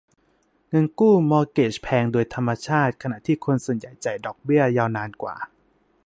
เงินกู้มอร์เกจแพงโดยธรรมชาติ ขณะที่คนส่วนใหญ่จ่ายดอกเบี้ยยาวนานกว่า